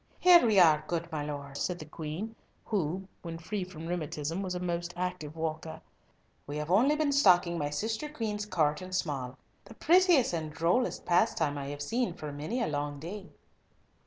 "Here we are, good my lord," said the Queen, who, when free from rheumatism, was a most active walker. "We have only been stalking my sister Queen's court in small, the prettiest and drollest pastime I have seen for many a long day."